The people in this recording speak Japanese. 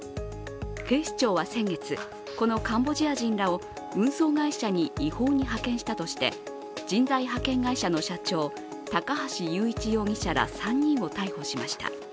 警視庁は先月、このカンボジア人らを運送会社に違法に派遣したとして人材派遣会社の社長、高橋裕一容疑者ら３人を逮捕しました。